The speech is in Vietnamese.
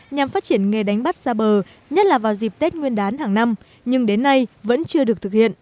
nhằm phát triển nghề đánh bắt xa bờ nhất là vào dịp tết nguyên đán hàng năm nhưng đến nay vẫn chưa được thực hiện